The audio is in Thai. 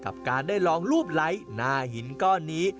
กับการได้ลองรูปไลค์หน้าหินก้อนนี้